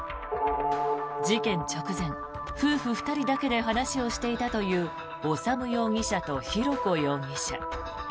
事件直前、夫婦２人だけで話をしていたという修容疑者と浩子容疑者。